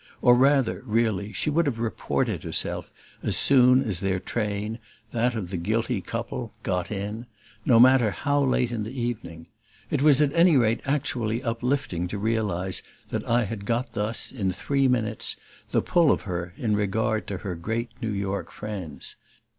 Or rather, really, she would have reported herself as soon as their train, that of the "guilty couple," got in; no matter how late in the evening. It was at any rate actually uplifting to realize that I had got thus, in three minutes, the pull of her in regard to her great New York friends.